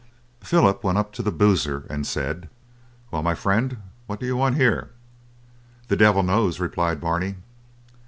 Philip went up to the Boozer and said: "Well, my friend, what do you want here?" "The devil knows," replied Barney.